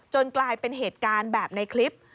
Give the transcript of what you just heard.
กลายเป็นเหตุการณ์แบบในคลิป